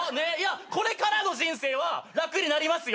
これからの人生は楽になりますよ。